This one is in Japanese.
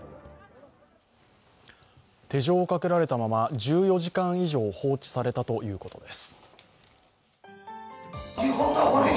手錠をかけられたまま１４時間以上、放置されたということです。